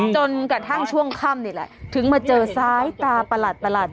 จนกระทั่งช่วงค่ำนี่แหละถึงมาเจอซ้ายตาประหลาด